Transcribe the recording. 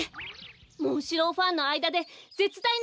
モンシローファンのあいだでぜつだいな